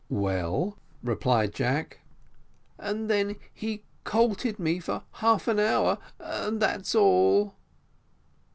"Well," replied Jack. "And then he colted me for half an hour, and that's all."